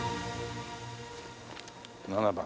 ７番。